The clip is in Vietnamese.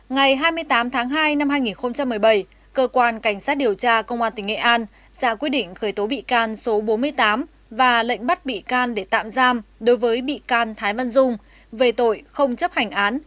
ngày hai mươi tám tháng hai năm hai nghìn một mươi bảy cơ quan cảnh sát điều tra công an tỉnh nghệ an ra quyết định khởi tố bị can số bốn mươi tám và lệnh bắt bị can để tạm giam đối với bị can thái văn dung về tội không chấp hành án